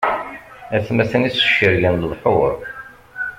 Atmaten-is cergen lebḥuṛ.